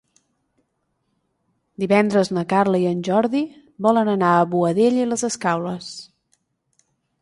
Divendres na Carla i en Jordi volen anar a Boadella i les Escaules.